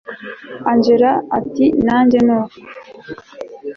angella nawe ati nanjye nuko